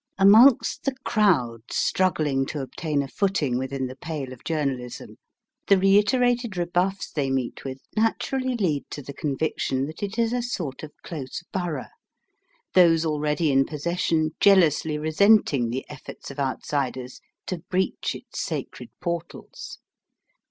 Amongst the crowd struggling to obtain a footing within the pale of journalism, the reiterated rebuffs they meet with naturally lead to the conviction that it is a sort of close borough, those already in possession jealously resenting the efforts of outsiders to breach its sacred portals.